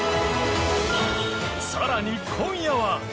更に今夜は。